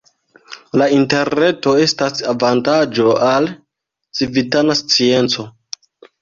La Interreto estas avantaĝo al civitana scienco.